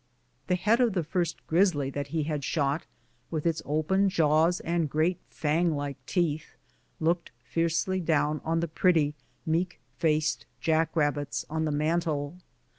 The head of the first grisly that he had shot, with its open jaws and great fang like teeth, looked fiercely down on the pretty, meek faced jack rabbits on the mantel.